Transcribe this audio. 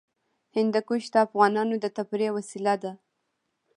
هندوکش د افغانانو د تفریح وسیله ده.